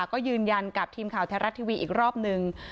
ก็ยืนยันกับทีมข่าวแท้รัฐทีวีอีกรอบนึง